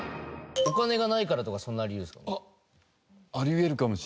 お金がないからとかそんな理由ですか？